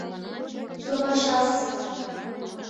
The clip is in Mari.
— Томашас